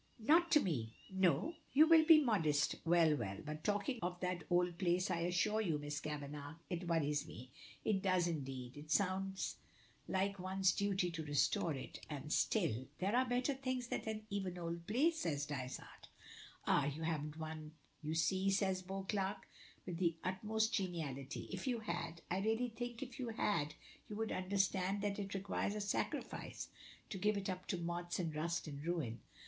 "Not to me." "No? You will be modest? Well, well! But talking of that old place, I assure you, Miss Kavanagh, it worries me it does, indeed. It sounds like one's duty to restore it, and still " "There are better things than even an old place," says Dysart. "Ah! you haven't one you see," cries Beauclerk, with the utmost geniality. "If you had I really think if you had you would understand that it requires a sacrifice to give it up to moths and rust and ruin."